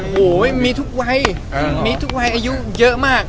โอ้โหมีทุกวัยมีทุกวัยอายุเยอะมาก